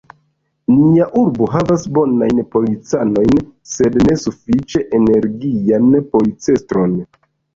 Nia urbo havas bonajn policanojn, sed ne sufiĉe energian policestron.